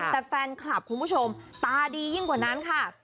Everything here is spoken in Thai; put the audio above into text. แต่แฟนคลับคุณผู้ชมตาดียิ่งกว่านั้นค่ะ